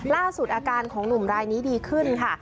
ล่าสุดอาการของหนุ่มรายนี้ดีขึ้นค่ะ